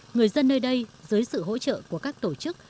người dân nơi đây dưới sự hỗ trợ của các tổ chức